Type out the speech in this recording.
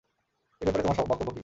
এ ব্যাপারে তোমার বক্তব্য কি?